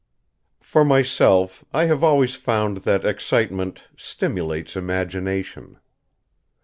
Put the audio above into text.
For myself, I have always found that excitement stimulates imagination.